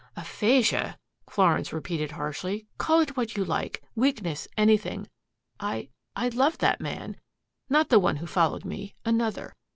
"Aphasia!" Florence repeated harshly. "Call it what you like weakness anything. I I loved that man not the one who followed me another.